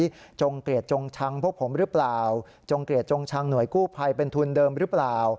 จงเกลียดจงชังพวกผมหรือเปล่าจงเกลียดจงชังห่วยกู้ภัยเป็นทุนเดิมหรือเปล่า